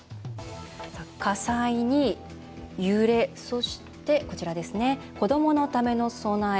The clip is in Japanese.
火災に、揺れそして子どものための備え。